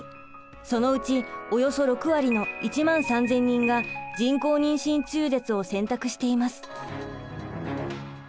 そのうちおよそ６割の１万３，０００人が人工妊娠中絶を選択しています。